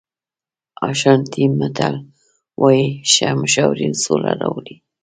اشانټي متل وایي ښه مشاورین سوله راوړي.